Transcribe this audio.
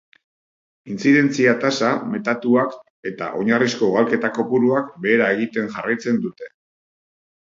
Intzidentzia-tasa metatuak eta oinarrizko ugalketa kopuruak behera egiten jarraitzen dute.